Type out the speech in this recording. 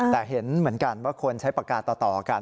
แต่เห็นเหมือนกันว่าคนใช้ปากกาต่อกัน